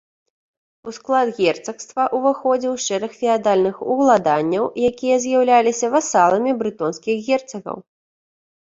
У склад герцагства ўваходзіў шэраг феадальных уладанняў, якія з'яўляліся васаламі брэтонскіх герцагаў.